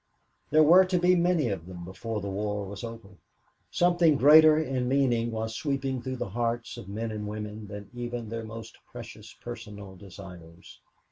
There were to be many of them before the war was over. Something greater in meaning was sweeping through the hearts of men and women than even their most precious personal desires.